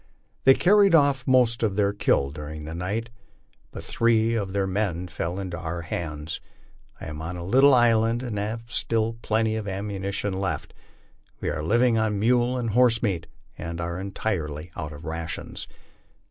They car ried off most of their killed during the night, but three of their men fell into our hands. I am on a little island and have still plenty of ammunition left. We are living on mule and horse meat, and are entirely out of rations.